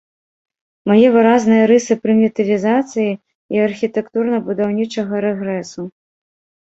Мае выразныя рысы прымітывізацыі і архітэктурна-будаўнічага рэгрэсу.